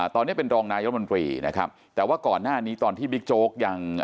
ตอนนี้เป็นรองนายรัฐมนตรีนะครับแต่ว่าก่อนหน้านี้ตอนที่บิ๊กโจ๊กยัง